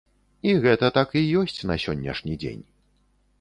І гэта так і ёсць на сённяшні дзень.